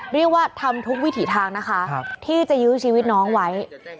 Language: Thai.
เรียกว่าทำทุกวิถีทางนะคะที่จะยื้อชีวิตน้องไว้